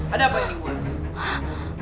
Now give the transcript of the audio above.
ada apa ini buahku